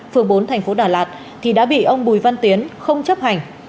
phường bốn thành phố đà lạt thì đã bị ông bùi văn tiến không chấp hành